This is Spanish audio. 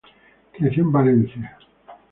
Creció en Valencia.